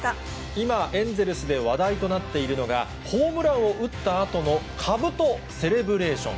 今、エンゼルスで話題となっているのが、ホームランを打ったあとのかぶとセレブレーション。